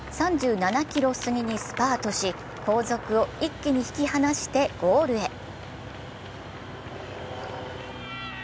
３７ｋｍ過ぎにスパートし、後続を一気に引き離してゴールへ。